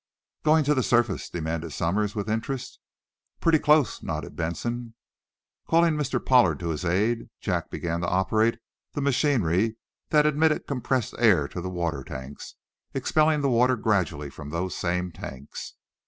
"Going to the surface?" demanded Somers, with interest. "Pretty close," nodded Benson. Calling Mr. Pollard to his aid, Jack began to operate the machinery that admitted compressed air to the water tanks, expelling the water gradually from those same tanks.